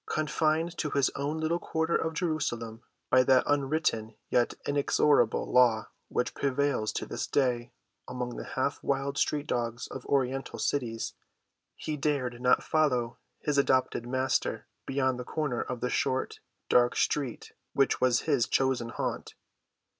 Confined to his own little quarter of Jerusalem by that unwritten yet inexorable law which prevails to this day among the half wild street dogs of oriental cities, he dared not follow his adopted master beyond the corner of the short, dark street which was his chosen haunt.